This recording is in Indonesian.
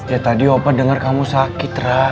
ya tadi opa dengar kamu sakit ra